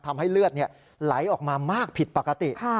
ทำให้เลือดไหลออกมามากผิดปกติ